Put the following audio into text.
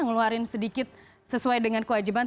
ngeluarin sedikit sesuai dengan kewajiban